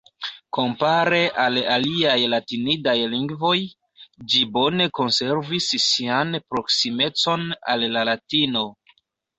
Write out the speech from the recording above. Kompare al aliaj latinidaj lingvoj, ĝi bone konservis sian proksimecon al la Latino.